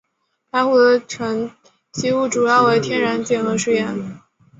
该湖的沉积物主要为天然碱和石盐。